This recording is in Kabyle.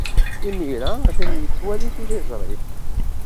Imir-a, atan yettwali tiliẓri.